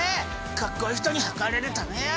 かっこいい人にはかれるためや！